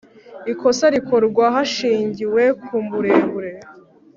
ikosa rikorwa hashingiwe ku buremere